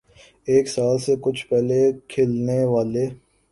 ایک سال سے کچھ پہلے کھلنے والے